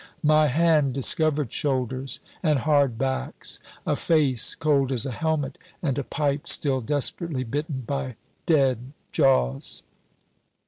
My hand discovered shoulders and hard backs, a face cold as a helmet, and a pipe still desperately bitten by dead jaws.